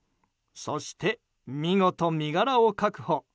そして見事、身柄を確保。